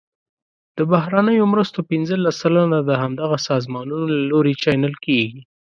د بهرنیو مرستو پنځلس سلنه د همدغه سازمانونو له لوري چینل کیږي.